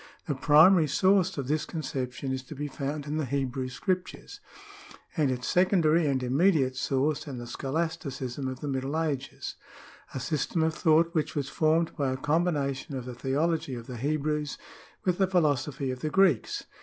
The primary source of this conception is to be found in the Hebrew scriptures, and its secondary and immediate source in the scholasticism of the Middle Ages — a system of thought which was formed by a combination of the theology of the Hebrews with the philosophy of the Greeks.